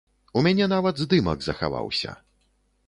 У мяне нават здымак захаваўся.